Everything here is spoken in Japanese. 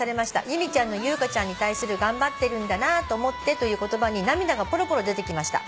「由美ちゃんの優香ちゃんに対する『頑張ってるんだなあと思って』という言葉に涙がぽろぽろ出てきました」